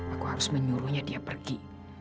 aku harus menyuruhnya dia pergi